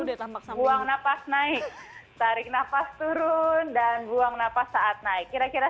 udah tampak sama buang napas naik tarik nafas turun dan buang nafas saat naik kira kira